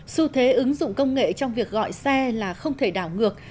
xu thế ứng dụng công nghệ trong việc gọi xe là không thể đảo ngược